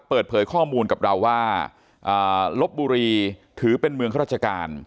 เปิดเผยข้อมูลกับเราว่าลบบุรีถือเป็นเมืองข้าราชการ